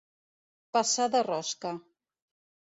Passar de rosca.